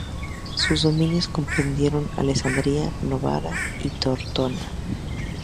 Sus dominios comprendieron Alessandria, Novara y Tortona.